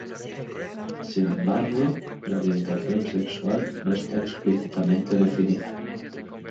Sin embargo, la orientación sexual no está explícitamente definida.